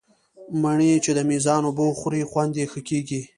مڼې چې د مېزان اوبه وخوري، خوند یې ښه کېږي.